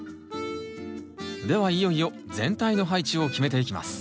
ではいよいよ全体の配置を決めていきます。